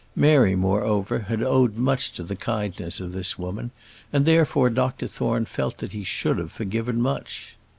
Mary, moreover, had owed much to the kindness of this woman, and, therefore, Dr Thorne felt that he should have forgiven much.